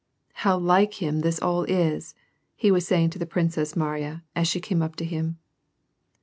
"How like him this all is !" he was saying to the Princess Mariya^ as she came up to him.